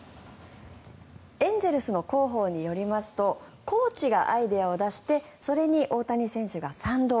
エンゼルスの広報によりますとコーチがアイデアを出してそれに大谷選手が賛同。